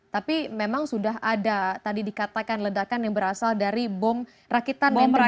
tapi memang sudah ada tadi dikatakan ledakan yang berasal dari bom rakitan yang terjadi